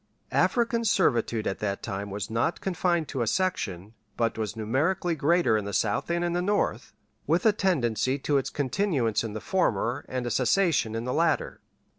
African servitude at that time was not confined to a section, but was numerically greater in the South than in the North, with a tendency to its continuance in the former and cessation in the latter.